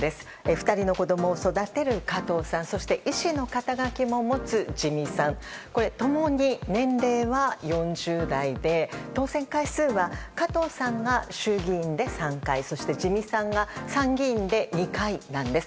２人の子供を育てる加藤さん、そして医師の肩書も持つ自見さん共に年齢は４０代で、当選回数は加藤さんが衆議院で３回そして自見さんが参議院で２回なんです。